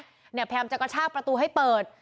พยายามจะกระชากประตูให้เปิด